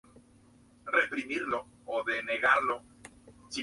Tobal No.